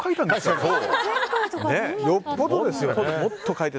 よっぽどですよね。